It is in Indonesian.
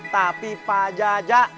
tapi pak jajak